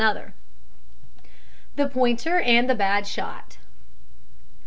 THE POINTER AND THE BAD SHOT.